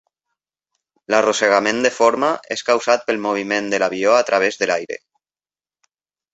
L'arrossegament de forma és causat pel moviment de l'avió a través de l'aire.